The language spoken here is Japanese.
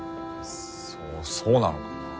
そうそうなのかなぁ。